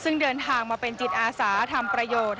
ซึ่งเดินทางมาเป็นจิตอาสาทำประโยชน์